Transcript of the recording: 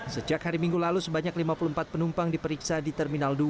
sejak hari minggu lalu sebanyak lima puluh empat penumpang diperiksa di terminal dua